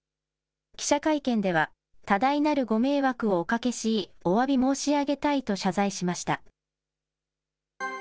記者会見では、多大なるご迷惑をおかけし、おわび申し上げたいと謝罪しました。